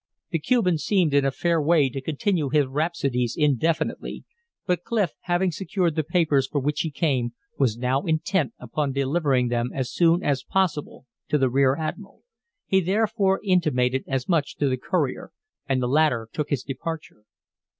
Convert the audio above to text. The Cuban seemed in a fair way to continue his rhapsodies indefinitely, but Clif, having secured the papers for which he came, was now intent upon delivering them as soon as possible to the rear admiral. He therefore intimated as much to the courier, and the latter took his departure.